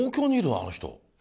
あの人。